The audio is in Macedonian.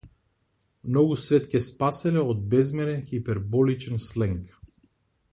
Многу свет ќе спаселе од безмерен хиперболичен сленг.